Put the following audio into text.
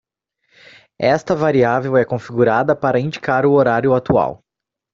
Esta variável é configurada para indicar o horário atual.